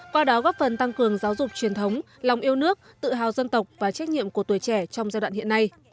qua đó góp phần tăng cường giáo dục truyền thống lòng yêu nước tự hào dân tộc và trách nhiệm của tuổi trẻ trong giai đoạn hiện nay